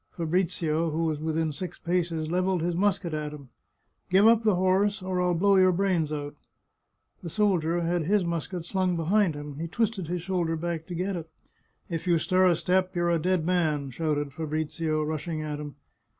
Fabrizio, who was within six paces, levelled his musket at him. " Give up the horse, or I'll blow your brains out !" The soldier had his musket slung behind him ; he twisted his shoulder back to get at it. " If you stir a step you're a dead man !" shouted Fabrizio, rush ing at him.